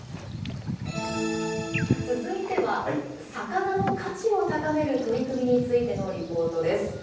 続いては、魚の価値を高める取り組みについてのリポートです。